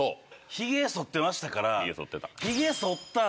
ヒゲ剃ってましたから。